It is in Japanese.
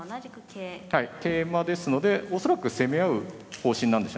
桂馬ですので恐らく攻め合う方針なんでしょうね。